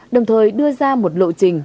đồng thời đưa ra một lộ trình